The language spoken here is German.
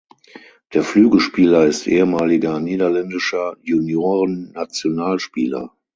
Der Flügelspieler ist ehemaliger niederländischer Juniorennationalspieler.